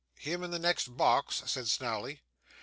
'Him in the next box?' said Snawley.